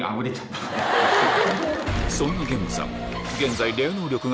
そんな幻夢さん